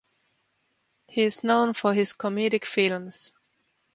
He is known for his comedic films.